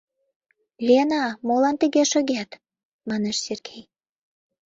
«Лена, молан тыге шогет?» — манеш Сергей.